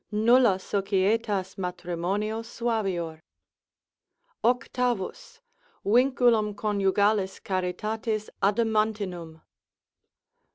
Nulla societas matrimonio suavior.—8. Vinculum conjugalis charitatis adamentinum.